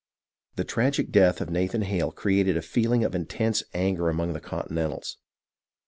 The tragic death of Nathan Hale created a feeling of in tense anger among the Continentals.